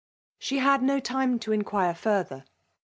She had no time to inquire further.